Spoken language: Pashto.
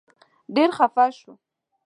ډېر خپه شوم.